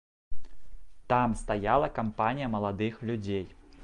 Там стаяла кампанія маладых людзей.